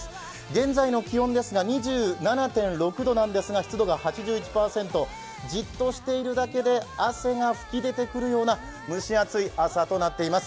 現在の気温は２７．６度なんですが湿度が８１％、じっとしているだけで汗が吹き出しやすい天気となっています。